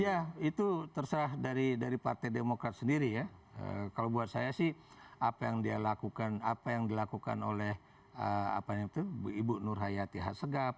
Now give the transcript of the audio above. ya itu terserah dari partai demokrat sendiri ya kalau buat saya sih apa yang dia lakukan apa yang dilakukan oleh ibu nur hayati hasegap